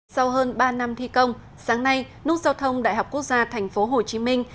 sau hơn ba năm thi công sáng nay nút giao thông đại học quốc gia thành phố hồ chí minh